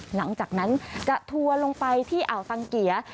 หลังจากนั้นจะทัวร์ลงไปที่อ่าวสังเกีย